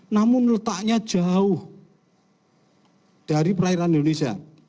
namun letaknya jauh dari perairan indonesia